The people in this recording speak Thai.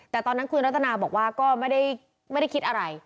แต่ตอนนั้นคุณรัตนาบอกว่าก็ไม่ได้คิดอะไร